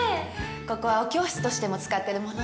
ここはお教室としても使ってるもので。